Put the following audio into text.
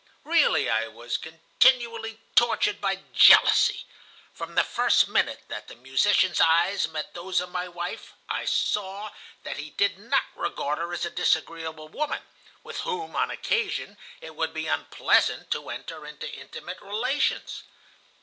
Really, I was continually tortured by jealousy. From the first minute that the musician's eyes met those of my wife, I saw that he did not regard her as a disagreeable woman, with whom on occasion it would be unpleasant to enter into intimate relations.